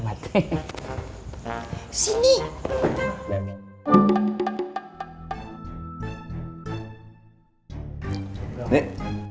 masuk bu aminah